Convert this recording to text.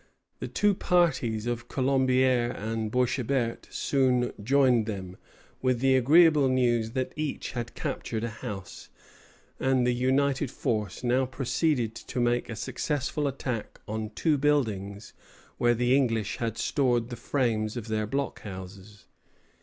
The two parties of Colombière and Boishébert soon joined them, with the agreeable news that each had captured a house; and the united force now proceeded to make a successful attack on two buildings where the English had stored the frames of their blockhouses.